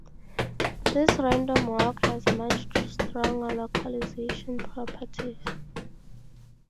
This random walk has much stronger localization properties.